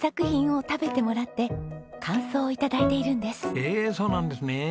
ええそうなんですね。